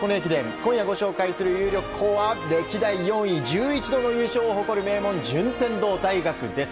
今夜、ご紹介する有力校は歴代４位、１１度の優勝を誇る名門、順天堂大学です。